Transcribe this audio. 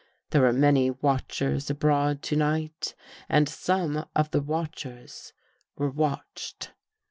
There were many watchers abroad to night, and some of the watchers were watched.